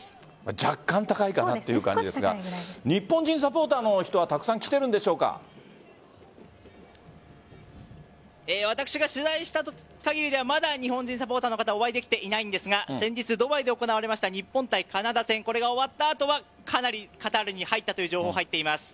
若干高いかなという感じですが日本人サポーターの人は私が取材した限りではまだ日本人サポーターの方はお会いできていないんですが先日ドバイで行われた日本対カナダ戦これが終わった後は、かなりカタールに入ったという情報が入っています。